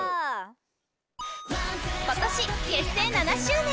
今年、結成７周年！